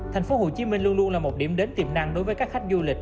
tp hcm luôn luôn là một điểm đến tiềm năng đối với các khách du lịch